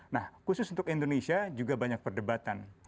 nah khusus untuk indonesia juga banyak perdebatan